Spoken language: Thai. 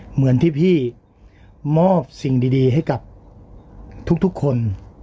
เหมือนที่พี่มอบสิ่งดีให้กับทุกคน